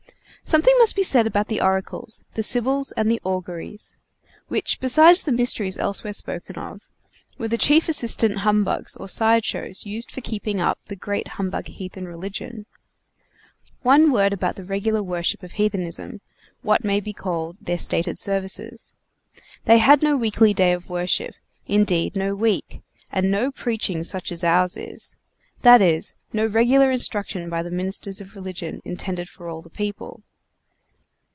Something must be said about the Oracles, the Sibyls, and the Auguries; which, besides the mysteries elsewhere spoken of, were the chief assistant humbugs or side shows used for keeping up the great humbug heathen religion. One word about the regular worship of heathenism; what maybe called their stated services. They had no weekly day of worship, indeed no week, and no preaching such as ours is; that is, no regular instruction by the ministers of religion, intended for all the people.